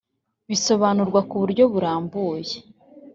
Bizasobanurwa ku buryo burambuye